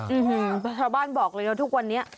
อื้อฮือประชาบาลบอกเลยนะทุกวันนี้